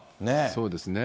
そうですね。